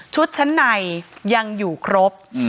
ชั้นในยังอยู่ครบ